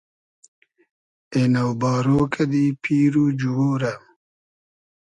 اېنۆ بارۉ کئدی پیر و جووۉ رۂ